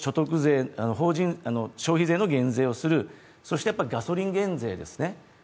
消費税の減税をする、そしてやっぱりガソリン減税ですね。